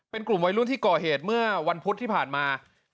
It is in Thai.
เป็นกลุ่มวัยรุ่นที่ก่อเหตุเมื่อวันพุธที่ผ่านมา